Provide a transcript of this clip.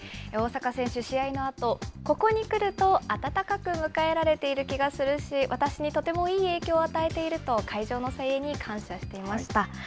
大坂選手、試合のあと、ここに来ると温かく迎えられている気がするし、私にとてもいい影響を与えていると、会場の声援に感謝していました。